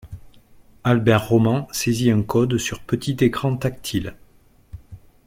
Albert Roman saisit un code sur petit écran tactile